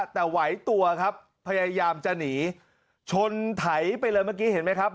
แต่ไหวตัวครับพยายามจะหนีชนไถไปเลยเมื่อกี้เห็นไหมครับ